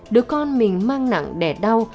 đứa con mình mang nặng đẻ đau